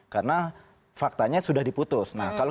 karena faktanya sudah diputus nah kalau